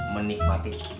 menikmati dunia jalan